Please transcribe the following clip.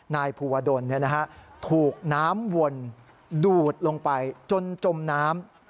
นายภูวดลถูกน้ำวนดูดลงไปจนจมน้ำ